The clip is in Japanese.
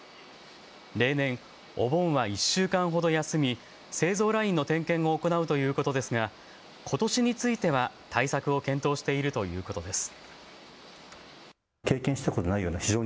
例年、お盆は１週間ほど休み製造ラインの点検を行うということですがことしについては対策を検討しているということです。